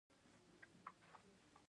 په افغانستان کې بادام ډېر اهمیت لري.